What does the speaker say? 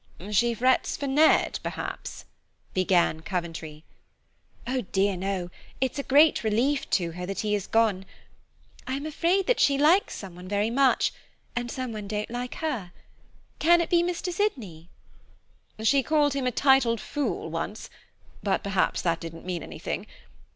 "She frets for Ned perhaps," began Coventry. "Oh dear, no; it's a great relief to her that he is gone. I'm afraid that she likes someone very much, and someone don't like her. Can it be Mr. Sydney?" "She called him a 'titled fool' once, but perhaps that didn't mean anything.